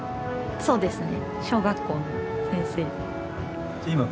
そうですね。